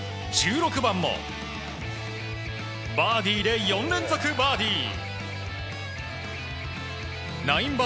１６番もバーディーで４連続バーディー！